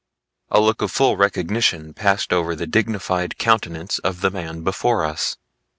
A look of full recognition passed over the dignified countenance of the man before us.